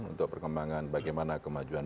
untuk perkembangan bagaimana kemajuan